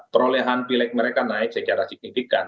perolehan pilek mereka naik secara signifikan